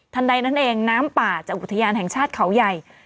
ใดนั่นเองน้ำป่าจากอุทยานแห่งชาติเขาใหญ่